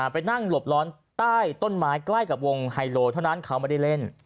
ไปนั่งหลบร้อนใต้ต้นไม้ใกล้กับวงไฮโลเท่านั้นเขาไม่ได้เล่น